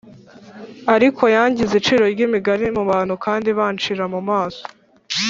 ariko yangize iciro ry’imigani mu bantu, kandi bancira mu maso